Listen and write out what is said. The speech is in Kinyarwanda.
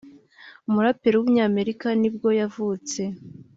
umuraperi w’umunyamerika ni bwo yavutse